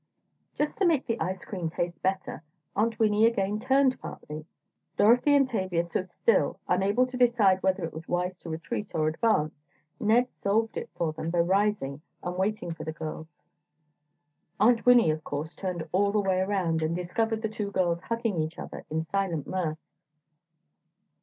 Just to make the ice cream taste better, Aunt Winnie again turned partly. Dorothy and Tavia stood still, unable to decide whether it was wise to retreat or advance, Ned solved it for them by rising and waiting for the girls. Aunt Winnie, of course, turned all the way around and discovered the two girls hugging each other, in silent mirth.